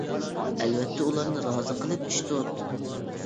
ئەلۋەتتە ئۇلارنى رازى قىلىپ ئىش تۇت.